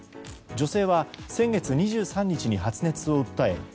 女性は先月２３日に発熱を訴え